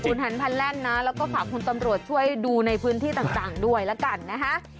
คุณหันพันแล่นนะแล้วก็ฝากคุณตำรวจช่วยดูในพื้นที่ต่างด้วยแล้วกันนะฮะ